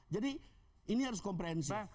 jadi ini harus komprehensif